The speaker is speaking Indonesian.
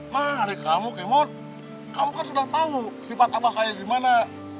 nah adik kamu kemon kamu kan sudah tahu sifat abah kayak gimana